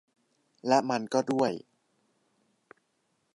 และมันก็ด้วย